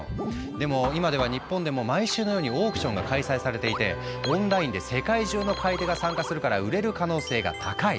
でも今では日本でも毎週のようにオークションが開催されていてオンラインで世界中の買い手が参加するから売れる可能性が高い。